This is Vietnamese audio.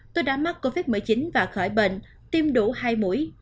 tôi đã mắc covid một mươi chín và khỏi bệnh tiêm đủ hai mũi